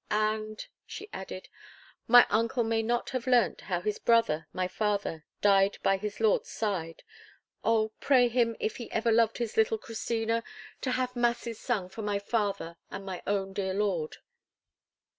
And," she added, "my uncle may not have learnt how his brother, my father, died by his lord's side. Oh! pray him, if ever he loved his little Christina, to have masses sung for my father and my own dear lord."